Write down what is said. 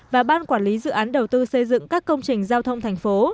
và ban quản lý dự án đầu tư xây dựng các công trình giao thông thành phố